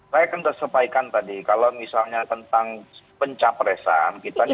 saya kena sampaikan tadi kalau misalnya tentang pencapresan kita sudah ada perubahan posisi